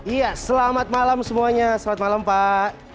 iya selamat malam semuanya selamat malam pak